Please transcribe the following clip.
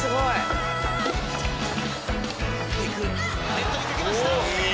ネットにかけました！